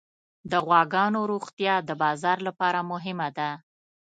د غواګانو روغتیا د بازار لپاره مهمه ده.